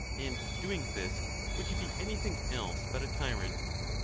And doing this, would you be any thing else but a tyrant?